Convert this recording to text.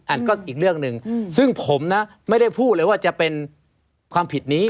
อันก็อีกเรื่องหนึ่งซึ่งผมนะไม่ได้พูดเลยว่าจะเป็นความผิดนี้